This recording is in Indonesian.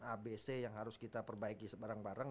abc yang harus kita perbaiki sebarang barang